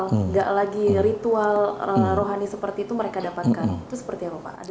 tidak lagi ritual rohani seperti itu mereka dapatkan